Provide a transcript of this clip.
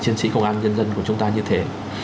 chiến sĩ công an nhân dân của chúng ta như thế